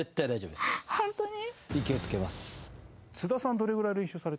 ホントに？